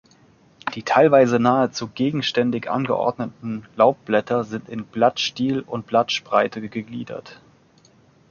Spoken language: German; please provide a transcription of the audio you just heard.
Die teilweise nahezu gegenständig angeordneten Laubblätter sind in Blattstiel und Blattspreite gegliedert.